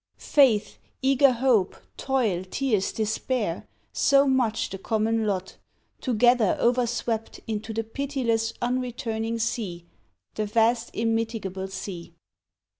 Faith, eager hope, toil, tears, despair, so much The common lot, together over swept Into the pitiless unreturning sea, The vast immitigable sea.